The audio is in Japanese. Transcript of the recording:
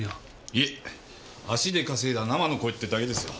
いえ足で稼いだ生の声ってだけですよ。